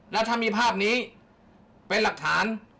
แล้วถ้ามีภาพนี้เป็นหลักฐาน